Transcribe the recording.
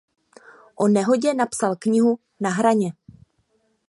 O nehodě napsal knihu "Na hraně".